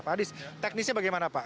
pak adis teknisnya bagaimana pak